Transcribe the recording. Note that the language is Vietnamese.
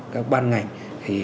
các ban ngành